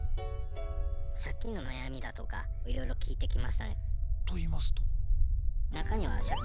借金の悩みだとかいろいろ聞いてきましたね。と言いますと？